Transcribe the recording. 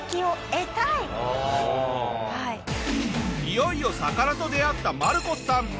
いよいよ魚と出会ったマルコスさん。